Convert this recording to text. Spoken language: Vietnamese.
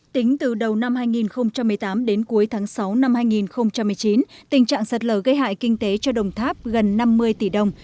tính từ đầu năm hai nghìn một mươi tám đến cuối tháng sáu năm hai nghìn một mươi chín tình trạng sạt lở gây hại kinh tế cho đồng tháp gần năm mươi tỷ đồng